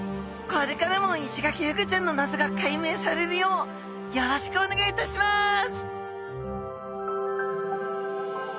これからもイシガキフグちゃんの謎が解明されるようよろしくお願いいたします！